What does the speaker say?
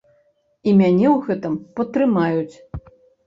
І мяне ў гэтым падтрымаюць.